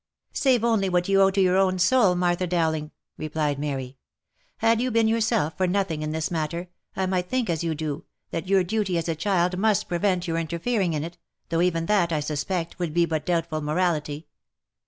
" Save only what you owe to your own soul, Martha Dowling," re plied Mary. " Had you been yourself for nothing in this matter, I might think as you do, that your duty as a child must prevent your in terfering in it, though even that, I suspect, would be but doubtful morality.